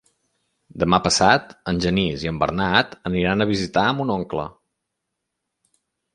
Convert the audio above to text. Demà passat en Genís i en Bernat aniran a visitar mon oncle.